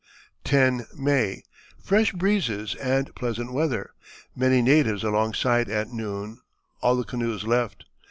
"10 (May). Fresh breezes and pleasant weather. Many natives alongside, at noon all the canoes left.